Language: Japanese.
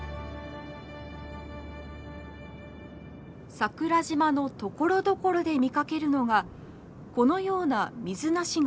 桜島のところどころで見かけるのがこのような水無し川。